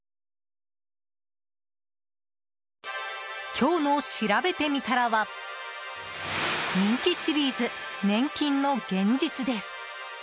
今日のしらべてみたらは人気シリーズ、年金の現実です。